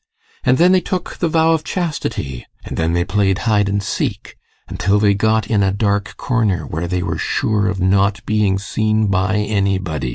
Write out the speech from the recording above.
And then they took the vow of chastity and then they played hide and seek until they got in a dark corner where they were sure of not being seen by anybody.